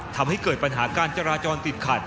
ทำให้เกิดปัญหาการจราจรติดขัด